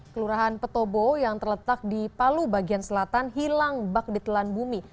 kelurahan petobo yang terletak di palu bagian selatan hilang bak di telan bumi